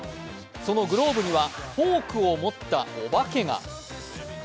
そのグローブにはフォークを持ったお化けが。